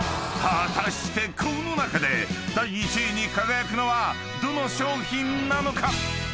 ［果たしてこの中で第１位に輝くのはどの商品なのか⁉］